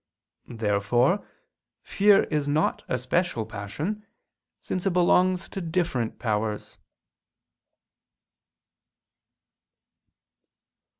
Therefore fear is not a special passion, since it belongs to different powers.